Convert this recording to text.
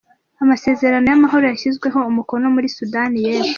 -Amasezerano y’amahoro yashyizweho umukono muri Sudani y’Epfo